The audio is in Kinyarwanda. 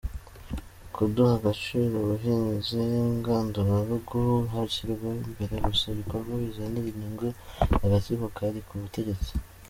– Kudaha agaciro ubuhinzi ngandurarugo hashyirwa imbere gusa ibikorwa bizanira inyungu agatsiko kari ku butegetsi;